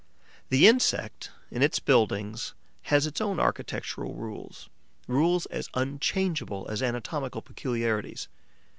The insect, in its buildings, has its own architectural rules, rules as unchangeable as anatomical peculiarities.